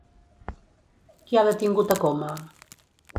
Qui ha detingut a Coma?